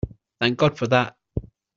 Thank God for that!